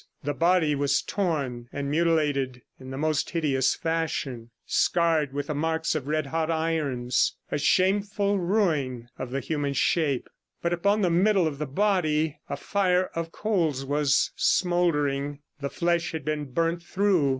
The body was torn and mutilated in the most hideous fashion, scarred with the marks of red hot irons, a shameful ruin of the human shape. But upon the middle of the body a fire of coals was smouldering; the flesh had been burnt through.